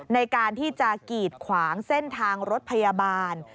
ในการที่จะกีดขวางเส้นทางรถพยาบาล